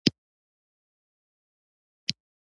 د دې ځواب دا دی چې د ترکاڼ کار نغښتی